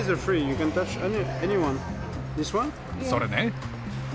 それね？